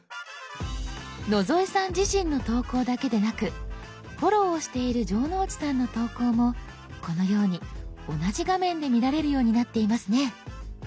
野添さん自身の投稿だけでなくフォローをしている城之内さんの投稿もこのように同じ画面で見られるようになっていますね。